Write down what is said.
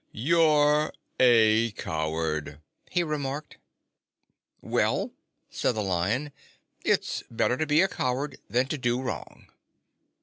"You're a coward," he remarked. "Well," said the Lion, "it's better to be a coward than to do wrong."